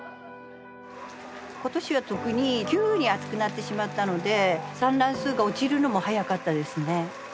今年は特に急に暑くなってしまったので産卵数が落ちるのも早かったですね。